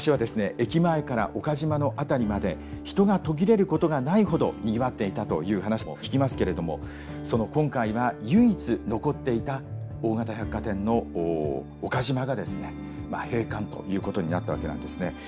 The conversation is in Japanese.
駅前から岡島の辺りまで人が途切れることがないほどにぎわっていたという話も聞きますけれどもその今回は唯一残っていた大型百貨店の岡島が閉館ということになったわけなんですね。